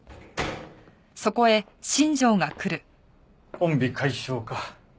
コンビ解消か。